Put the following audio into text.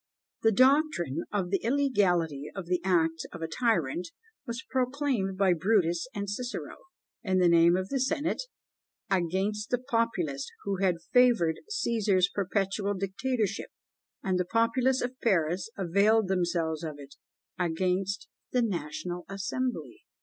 The doctrine of the illegality of the acts of a tyrant was proclaimed by Brutus and Cicero, in the name of the senate, against the populace, who had favoured Cæsar's perpetual dictatorship; and the populace of Paris availed themselves of it, against the National Assembly.